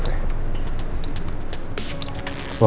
bahwa kamu menikah dengan aldebaran